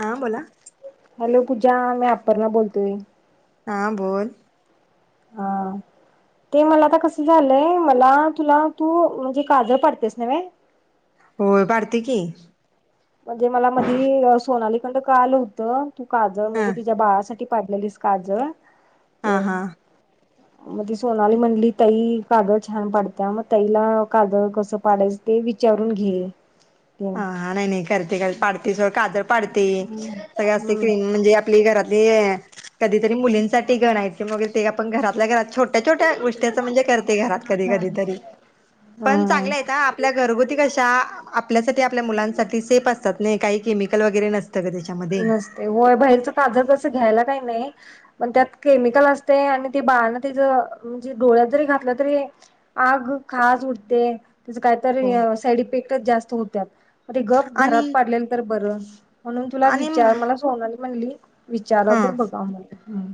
हा बोला हॅलो पूजा मी अपर्णा बोलतोय हा बोल हा ते मला आता कस झालंय मला तुला तू म्हणजे काजळ पाडत्यास नव्हे होय पाडते की म्हणजे मला मधी सोनाली कडन कळाल होतं तू काजळ ह म्हणजे तिच्या बाळासाठी पाडलेलीस. काजळ हा हा म ती सोनली म्हटली ताई काजळ छान पाडत्या म ताईला काजळ कसं पाडायचं ते विचारून घे. हम्म हा हा नाही नाही करते पाडते सोड काजळ पाडते सगळं अस हम्म क्रीम म्हणजे आपली घरातली कधीतरी मुलींसाठी घडायची मग ते आपण घरातल्या घरात छोट्या छोट्या छोट्या गोष्टयाच म्हणजे करते घरात कधी कधी तरी पण हा चांगलं आहे. हा आपल्या घरगुती कशा आपल्यासाठी आपल्या मुलांसाठी सेफ असतात नाही काही केमिकल वगैरे नसतात त्याच्यात. नसतय होय बाहेरचं काजळ कसं घ्यायला काही नाही. पण त्यात केमिकल असतय आणि ते बाळान तेज म्हणजे डोळ्यात जरी घातलं तरी आग खास उटते नाय तर काय तर हो हे साईड इफेक्टच जास्त होत्यात म ते गप आणि घरात पाडल्याल तर बरं म्हणून तुला आणि विचार मला सोनाली म्हणली विचाराव हा तर बघाव म्हणलं. हा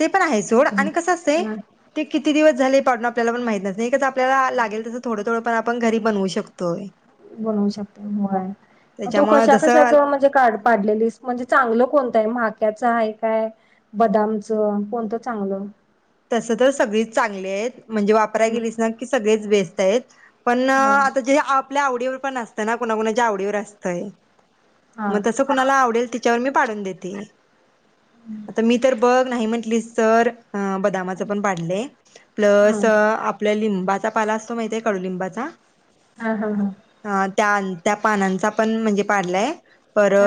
ते पण आहे सोड आणि कसं असतंय ते किती दिवस झालय पाडून आपल्याला पण माहित नसतय हे कसं आपल्याला लागेल तसं थोडं थोडं पण आपण घरी बनवू शकतोय. बनवू शकतो व्हय तु त्याच्यामुळे कशा कशा जसं च म्हणजे काढ- पाडलेली म्हणजे चांगलं कोणतं आहे म्हक्याचं आहे काय बदामचं कोणतं चांगलं? तस तर सगळीच चांगली आहेत म्हणजे वापरायला गेलीस ना की सगळेच बेस्ट आहेत. पण हा आता जे आपल्या आवडीवर पण असतं ना कोणाकुणाच्या आवडीवर असतय हा. मग तस कुणाला आवडेल तच्यावर मी पाडून देते आता मी तर बघ नाही म्हनलीस तर बदामाचे पण पाडलंय. प्लस आपल हा असं - आपल्या लिंबाचा पाला असतो माहिती आहे कडु लिंबाचा हा हा हा अ त्या त्या पानांचा पण म्हणजे पाडलाय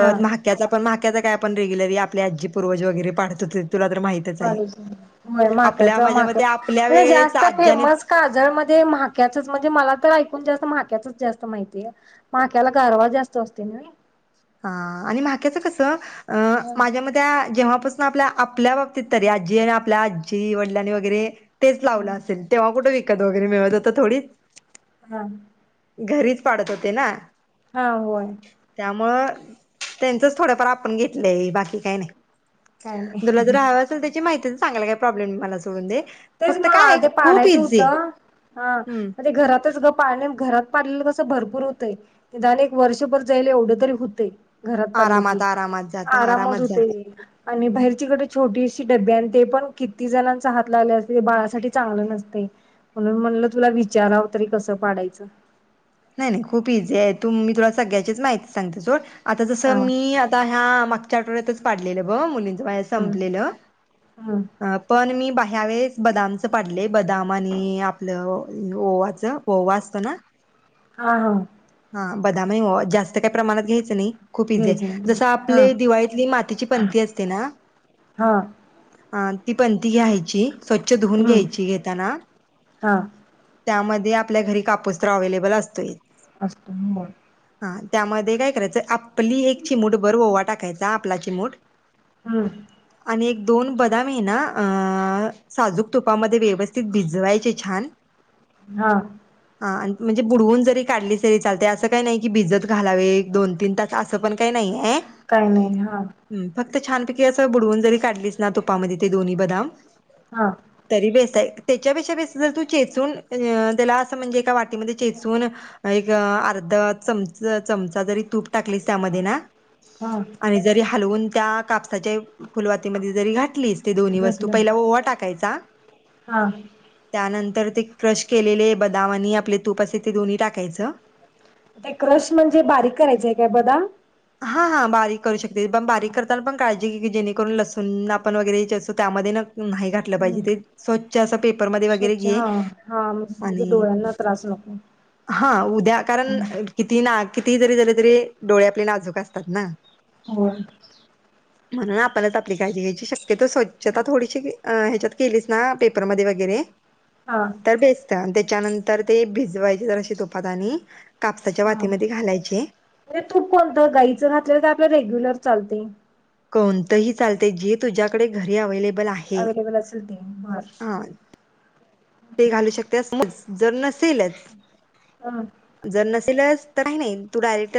हा म- त्याच आपण मक्याच काय आपण रेगुलरी आपली आजी पूर्वज वगैरे पाडत हुते तुला तर माहितीच हाय य माक्याच माक मते आपल्या म्हणे वेळेच जास्त आज्यानेच फेमस काजळ म ते म्हाक्या म्हणजे मला तर ऐकून जास्त म्हक्याचच जास्त माहिती ये- माक्याला गारवा जास्त असतो ना हा आणि माक्याच कस माझ्यामध्ये त्या जेव्हापासनं आपल्या आपल्या बाबतीत तरी आजी आणि आपल्या आजी वडिल आणि वगैरे- तेच लावलं असेल तेव्हा कुठे विकत वगैरे मिळत होता थोडीच- हा..... घरीच पाडत होते ना हा होय.... त्यामुळं त्यांचच थोडफार आपण घेतलंय बाकी काही नाही काय तुला जर नाही हावं असेल त्याची माहिती सांगायला काय प्रॉब्लेम नाही मला सोडून दे तेच फक्त काय मग ते खूप पाडायचं इझी होतं हा हम्म म्हणजे घरातच गप्- पाणी घरात पाडलेलं तसं भरपूर होतंय ते निदान एक वर्षभर जायल एवढं तरी होतंय घरात पाडले आरामात की आरामात जात आरामात जात होते आणि बाहेरची कडे छोटीशी डबे आणि ते पण किती जणांचा हात लागल्यास ते बाळासाठी चांगलं नसते, म्हणून म्हणलं तुला विचारावं तरी कसं पाडायचं नाही नाही खूप इझी आहे तू मी तुला सगळ्याचीच माहिती सांगते सोड आता हा जसं मी आता ह्या मागच्या आठवड्यातच पाडलेलं ब मुलींचं बाया हम् संपलेलं हम् पण मी बाह्या वेळेस बदामचं पाडले बदाम आणि आपलं ओवाचं- ओवा असंतो ना हा हा.... हा बदामही ओवा जास्त काही प्रमाणात घ्यायचं नाही. खूप इझी आहे घ्यायचं नाही जसं हा आपले दिवाळीतली मातीची पणती असते ना हा हा ती पणती घ्यायची स्वच्छ धुऊून हम्म घ्यायची घेताना- हा त्यामध्ये आपल्या घरी कापूस तर अवलेबल असतोय असतो हम्म ब- हा त्यामध्ये काय करायचं आपली एक चिमूट भर ओवा टाकायचा आपला चिमूट हा.... आणि एक दोन बदाम आहे ना अं साजूक तुपामध्ये व्यवस्थित भिजवायचे छान हा.... हा अंन् म्हणजे बुडवून जरी काढलीस तरी चालतेय असं काही नाही की भिजत घालावे एक- दोन, तीन तास असं पण काही नाही आहे काय नाही हा हम्म फक्त छानपैकी असं बुडवून जरी काढलिस ना तुपामदे ते दोनी बदाम- हा तरी बेसाय तेच्यापेक्षा बेस जर तू चेचून द तेला असं म्हणजे एका वाटीमदे चेचून एक अं अर्ध चमच चमचा जरी तूप टाकलीस त्यामदे ना- हा आणि जरी हालवून त्या कापसाचे फुलवातीमदे जरी घाटलीस ते दूनी वस्तू घातलं पइला ओवा टाकायचा हा.... त्यानंतर ते क्रश केलेले बदाम अनी आपले तूप असतय ते दोनी टाकायचं ते क्रश म्हणजे बारीक करायचाय काय बदाम हा हा बारीक करू शकतेस पण बारीक करताना पण काळजी घ्ये की जेणेकरून लसूण आपण वगैरे चेचतो त्यामदे ना न्हाई घाठलं पाइहजे ते स्वच् स्वच्छ असं पेपरमध्ये वगैरे स्वच्छ घे हा हा म्हणजे आणि- डोळ्यांना त्रास नको हा उद्या कारण कितीही ना कितीइ जरी तरी डोळे आपले नाजूक असतात ना होय म्हणून आपणच आपली काळजी घ्यायची शक्यतो स्वच्छता थोडीशी घ अ हेच्यात केलीस ना पेपरमदे वगैरे हां तर बेस्ट तेच्यानंतर ते भिजवायच जराशे तोपात आणि कापसाच्या हा वातीमदे म्हणजे घालायचे तूप कोणतं गाईचं घातलंल काय आपलं रेग्युलर चालतय कोणतंही चालतय जी तुज्याकडे घरी अवेलेबल आहे अवेलेबल असेल ते मार हा ते घालू शकत्यास मु [unintelligible] जर नसेलच हा जर नसेलच तर काय नइ तु डायरेक्ट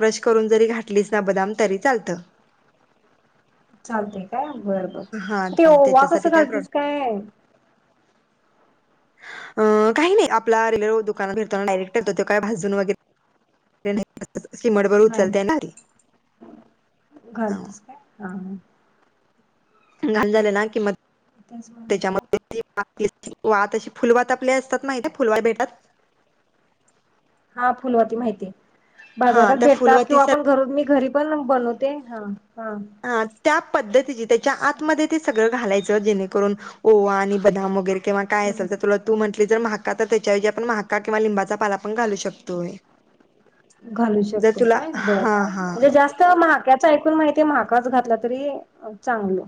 क्रश करून जरी घाटलीस ना बदाम तरी चालतं चालतय काय बरं बर हा ते चाल ओवा त्याच्यासाठी कसं काय प्रॉब्लेम घालतीस काय अ काही नाइ आपला रिलव दुकानात [unintelligible] डायरेक्ट त्यो काय भाजून वगैरे चिमट भर नाही उचलतय ना भारी ह घालतीस काय हा घान झाले की मग त्याच मनल त्याच्यामध्ये ती वात तेच वाणाची फुलवात आपली असतात माहितीय फुलवात भेटतात हा फुलवात माहितीय हा बाजारात त्या भेटतात किंवा फुलवातीसर आपण घरून मी घरी पण बनवते हा हा हा त्या पद्धतीची तेच्या आतमदे ते सग सगळं घालायच जेणेकरून ओवा आणि बदाम वगैरे किंवा काय असेल तर तुला तू म्हटलि जर माहाका तर तेच्या ऐवजी आपण माहाका किंवा लिंबाचा पाला पण घालू शकतोय घालू जर शकतोय तुला काय बरं हा हा म्हणजे जास्त महाक्यात ऐकून माहितीय माहाकाच घातला तरी चांगल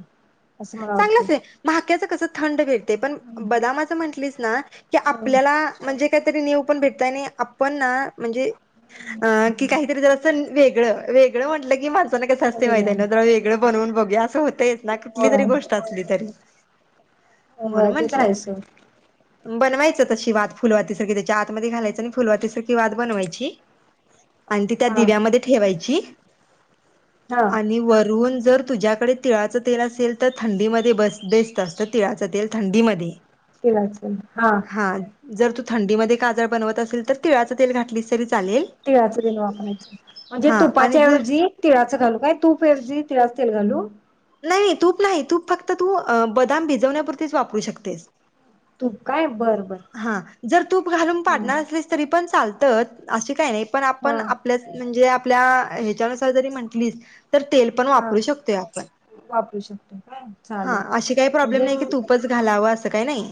चांगलंच सतत माहक्याच कस थंड भे ते पण बदामाच म्हंटलीस ना की आपल्याला म्हणजे काहीतरी निउ पण भेटत आणि आपण ना म्हणजे की काहीतरी जरास निउ वेगळं वेगळं म्हटलं की म्ह कस असते ना माहितय वेगळं ना जरा वेगळं बनवून बगुया असं होतयच ना कुटली तरी होय गोष्ट असली तरी होय म्हणु ते म्हंटलं करायचं बनवायचं तशी वात फुलवातीसारखी तेच्या आतमद्ये घालायचं आणि फुलवातीसारकि वात बनवायची [inaudible] आणि ती त्या हा दिव्यामध्ये ठेवायची. हा आणि वरून जर तुझ्यात कडे तिळाच तेल असेल तर थंडीमध्ये बस बेस्ट असतं तिळाच तेल थंडीमध्ये तिळाचं हा. हा. जर तू थंडीमध्ये काजळ बनवत असशील तर तिळाचं तेल घातलीस तरी चालेल. तिळाच तेल वापरायचं. म्हणजे हा आणि जर तुपाच्याऐवजी. तिळाचं घालू काय? तूपऐवजी तिळाचं तेल घालू. नाही. नाही. तूप नाही. तूप फक्त तू बदाम भिजवण्यापुरतीच वापरू शकतेस. तूप काय? बरं बरं. हा. जर तूप घालून पाडणार असलीस तरी पण चालत अशी काही नाही पण हा आपण आपल्या म्हणजे आपल्या ह्याच्यानुसार जरी म्हंटलीच तर तेल पण हा वापरू शकतोय आपण. वापरू शकतो काय हा चालेल अशी काही प्रॉब्लेम म्हणजे नाही की, तूपच घालावं अस काही नाही.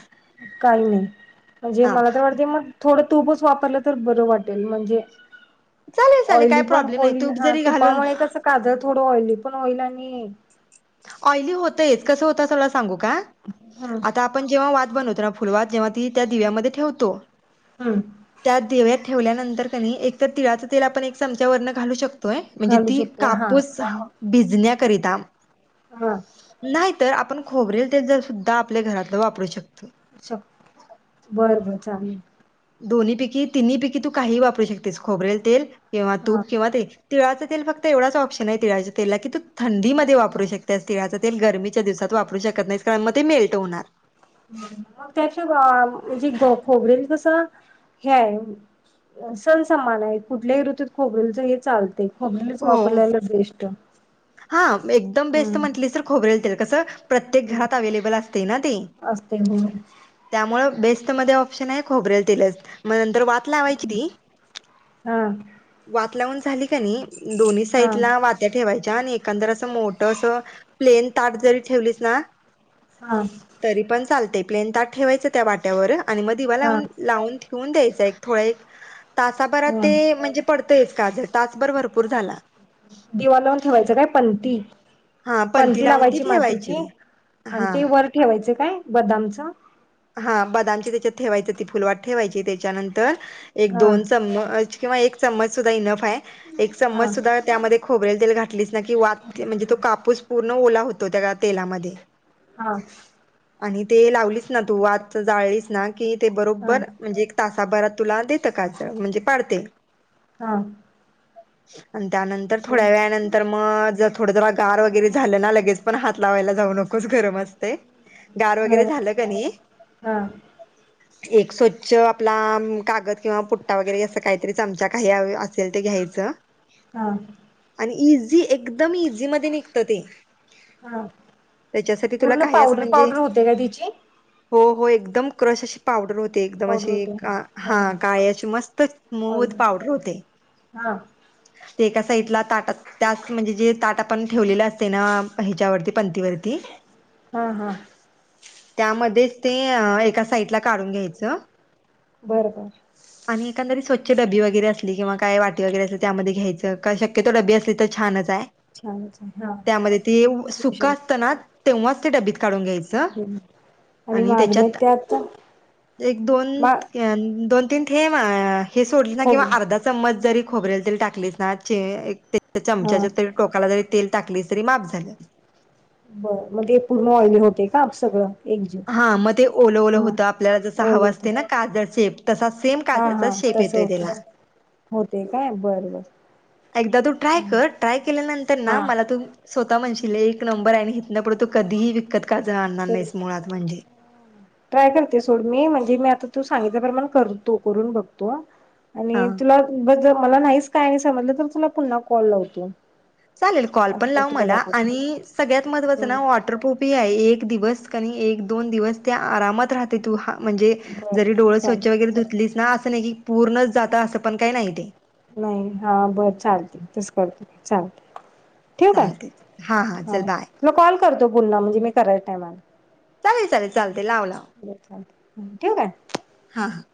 काही नाही. म्हणजे हा मला तर वाटते मग थोडं तूपच वापरलं तर बरं वाटेल म्हणजे चालेल चालेल काय ऑइली पण प्रॉब्लेम नाही होईल तूप हा जरी घालून तुपामुळे कस काजळ थोडं ऑइली पण होईल आणि ऑयली होतयच कसं होत तुला सांगू का? [inaudible] आता आपण जेव्हा वात बनवतो ना फुलवात जेव्हा ती दिव्यामध्ये ठेवतो. हम्म... त्या देव्यात ठेवल्यानंतर कनी एकतर तिळाचं तेल आपण एक चमच्यावरन घालू शकतो तोय म्हणजे घालू ती शकतोय हा कापूस भिजण्याकरिता हा. नाहीतर आपण खोबरेल तेल जर सुद्धा आपल्या घरातलं वापरू शकतोय. अच्छा बर बर चालेल. दोन्ही पैकी, तिन्ही पैकी तु काहीही वापरू शकतेस. खोबरेल तेल किंवा हा तूप किंवा तेल. तिळाचं तेल फक्त एवढाच ऑप्शन आहे. तीळाच्या तेलला की, तू थंडीमध्ये वापू शकतेस. तिळाचा- ते गरमीच्या दिवसात वापरू शकत नाहीस कारण मग ते मेल्ट होणार. मग त्याच्या म्हणजे खोबरेल कस हे आहे. सणसमान आहे कुठल्याही ऋतूत खोबरेल तेल हे चालते. खोबरेलच हो वापरल्याल बेस्ट हा एकदम बेस्ट हम्म म्हंटलीस तर खोबरेल तेल कसं प्रत्येक घरात अवेलेबल असते ना ते. असते हो त्यामुळे बेस्टमध्ये ऑप्शन आहे खोबरेल तेलच मग नंतर वात वात लावायची ती हा वात लावून झाली का नाही दोन्ही हा साईडला वात त्या ठेवायच्या आणि एकंदर असं मोठ असं प्लेन ताट जरी ठेवलीस ना- [inaudible] तरी पण चालते. प्लेन ताट ठेवायचं त्या वात्यावर आणि मग दिवा हा लावून लावून- ठेऊन द्यायचं. एक थोडं एक तासाभरात ह ते म्हणजे पडतंयच काजळ तासभर भरपूर झाला. दिवा लावून ठेवायचं काय पणती? हा पणती लावून ती लावायची ठेवायची मातीची आणि हा ते वर ठेवायचे काय बदामच? हा बदामची त्याच्यात ठेवायच. ती फुलवात ठेवायची. त्याच्यानंतर एक दोन चम्मच किंवा एक चम्मच सुद्धा इनफ आहे. एक हा चम्मच सुद्धा त्यामध्ये खोबरेल तेल घात घातलीस ना की, वात म्हणजे तो कापूस पूर्ण ओला होतो त्या तेलामध्ये. हा. आणि ते लावलीस ना तू वात जाळलीस ना की ते हा बरोबर म्हणजे तासाभरात तुला देत काजळ म्हणजे पाडते हां अन त्यानंतर थोड्या वेळानंतर तर मग थोड जर गार वगैरे झाल ना लगेच पण हात लावायला जाऊ नकोस गरम असते गार वगैरे गरम झाल का नाही [inaudible] एक स्वच्छ आपला कागद किंवा पुट्टा वगैरे अस काहीतरी चमचा काही असेल ते घ्यायच हां आणि इझी एकदम इझी मध्ये निघत ते हा त्याच्यासाठी तुला काही अस म्हणजे त्या गादीची हो हो एकदम क्रश अशी पावडर होते एकदम पावडर अशी होते हो हां काळी अशी मस्त स्मुत ऑर्डर पावडर होते हां ते एका साईडला ताटात त्यात म्हणजे जे ताट आपण ठेवलेल असते ना हिच्यावरती पणतीवरती हां हां त्यामध्येच ते एका साइडला काढुन घ्यायच बरं बर आणि एखादी स्वच्छ डबी वगैरे असली किंवा काय वाटी वगैरे असली त्यामध्ये घ्यायच शक्यतो डबी असली तर छानच आहे छानच आहे हां त्यामध्ये ते देऊ सुक शकते असतना तेव्हाच ते डबीत काढुन घ्यायच [inaudible] आणि त्याच्यात त्या आता एक दोन मा दोन तीन थेंब हे सोडले ना खोब किंवा अर्धा चमच जरी खोबरेल तेल टाकलेच ना चे एक ते चमच्या हां ते टोकाला जरी तेल टाकले तरी माप झाले बर म ते पुर्ण ऑइली होते का सगळं एकजीव हां मग ते ओलं ओलं हां होत आपल्याला जस हाव ओलं होतं असते ना काजळ सेफ तसा सेम हां काजळचा हां शेप तसं येतोय होते त्याला होते काय बर बर एकदा तु ट्राय कर ट्राय केल्यानंतर ना हां मला तु स्वतः म्हणशील एक नंबर आहे इथन ना तु पुढे कधीही विकत काजळ आणणार तेच नाहीस मुळात म्हणजे ट्राय करते सोड मी म्हणजे मी आता तु सांगितल्या प्रमाण करतो करून बघतो आणि हा तुला मला नाहीच काय नाही समजल तर तुला पुन्हा कॉल लावतो चालेल कॉल असं पण कर लाव तुला मला दाखवतो आणि सगळ्यात महत्त्वाच ना वॉटरप्रूफ एक दिवस कानी एक दोन दिवस त्या आरामात राह ते तु हां म्हणजे बर जरी डोळ स्वच्छ चालते वगैरे धुतलीस ना अस नाही की पुर्णच जात अस पण काही नाही ते नाही हां बर चालते तस करते चालते ठेवु काय चालते. हा हा हां चल बाय म कॉल करतो पुन्हा म्हणजे मी करायच टायमाला चालेल चालेल चालते लाव लाव [unintelligible] हां हां